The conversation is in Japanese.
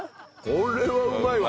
これはうまいわ。